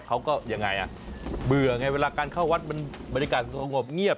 เขาก็ยังไงอ่ะเบื่อไงเวลาการเข้าวัดมันบรรยากาศสงบเงียบ